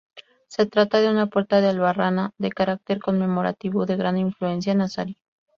Se trata de una puerta de albarrana, de carácter conmemorativo, de gran influencia nazarí.